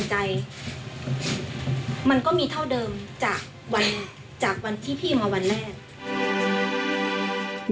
ใจมันก็มีเท่าเดิมจากวันจากวันที่พี่มาวันแรก